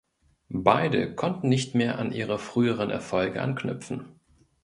Beide konnten nicht mehr an ihre früheren Erfolge anknüpfen.